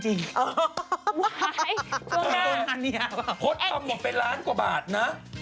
ว้ายช่วงหน้าโฟดเอาหมดไปล้านกว่าบาทนะ